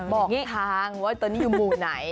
บอกทางว่าตอนนี้อยู่หมู่ไหน